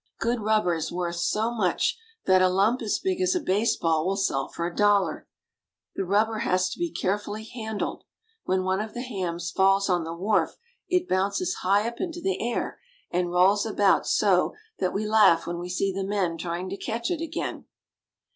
Good rubber is worth so much that a lump as big as a baseball will sell for a dollar. The rubber has to be care fully handled. When one of the hams falls on the wharf it bounces high up into the air and rolls about so that we laugh when we see the men trying to catch it again.